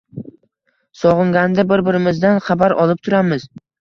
Sog‘inganda bir-birimizdan xabar olib turamiz